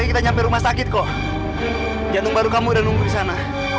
kita nyampe rumah sakit kok jantung baru kamu udah nunggu di sana